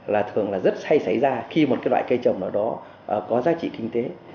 là thường là rất hay xảy ra khi một cái loại cây trồng nào đó có giá trị kinh tế